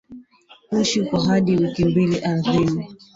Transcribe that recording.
kuishi kwa hadi wiki mbili ardhini